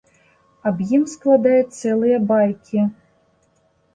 Аб ім складаюць цэлыя байкі.